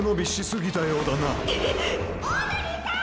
オードリーさん！